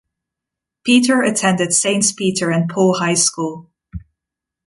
Petre attended Saints Peter and Paul High School.